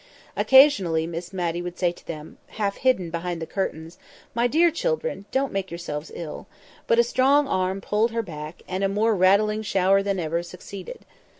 Occasionally Miss Matty would say to them (half hidden behind the curtains), "My dear children, don't make yourselves ill;" but a strong arm pulled her back, and a more rattling shower than ever succeeded.